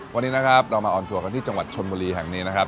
วันนี้นะครับเรามาออนทัวร์กันที่จังหวัดชนบุรีแห่งนี้นะครับ